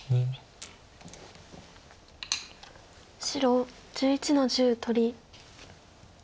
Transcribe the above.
白１１の十取り。